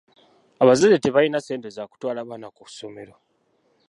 Abazadde tebalina ssente za kutwala baana ku ssomero.